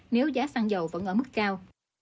nếu giá xăng dầu vẫn ở mức cao